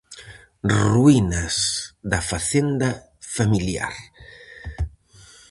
Ruínas da facenda familiar.